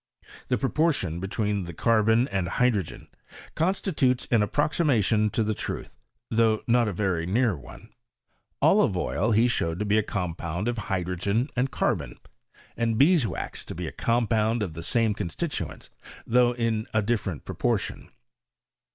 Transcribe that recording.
The proportion between the carbon and hydrogen, constitutes an approximation to the truth, tiiough not a very near one. Olive oil he showed to be a compound of hydrogen and carbon, and bees' wax to be a compound of the same constituents, though in a different proportion.